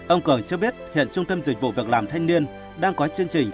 ông cường cho biết hiện trung tâm dịch vụ việc làm thanh niên đang có chương trình